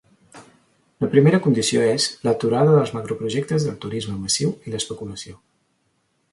La primera condició és “l’aturada dels macroprojectes del turisme massiu i l’especulació”.